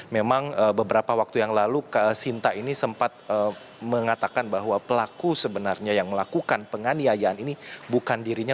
memang beberapa waktu yang lalu sinta ini sempat mengatakan bahwa pelaku sebenarnya yang melakukan penganiayaan ini bukan dirinya